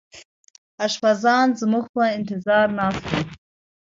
اشپزان زموږ په انتظار ناست وو.